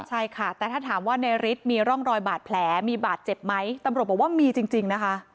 ใช่ค่ะแต่ถ้าถามว่าในฤทธิ์มีร่องรอยบาดแผลมีบาดเจ็บไหมตำรวจบอกว่ามีจริงนะคะ